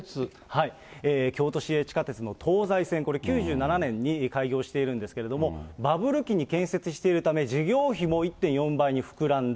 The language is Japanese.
京都市営地下鉄の東西線、これ９７年に開業しているんですけれども、バブル期に建設しているため、事業費も１．４倍に膨らんだ。